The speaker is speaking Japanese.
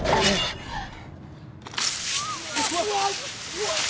うわっ。